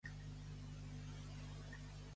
Em poses un tema pop?